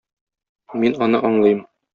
Мин аны аңлыйм.